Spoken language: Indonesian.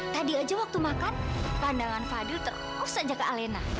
tadi aja waktu makan pandangan fadil terus saja ke alena